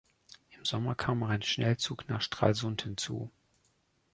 Im Sommer kam auch ein Schnellzug nach Stralsund hinzu.